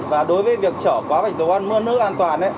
và đối với việc trở quá vạch dấu bốn h nước an toàn